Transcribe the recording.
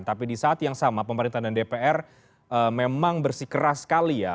tapi di saat yang sama pemerintah dan dpr memang bersikeras sekali ya